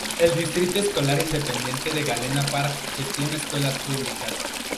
El Distrito Escolar Independiente de Galena Park gestiona escuelas públicas.